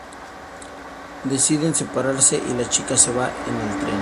Deciden separarse y la chica se va en el tren.